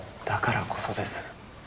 だからこそです。